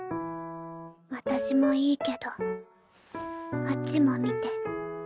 私もいいけどあっちも見て。